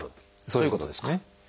そういうことですね。